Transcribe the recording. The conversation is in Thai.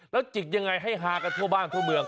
แล้วจิกยังไงให้ฮากันทั่วบ้านทั่วเมือง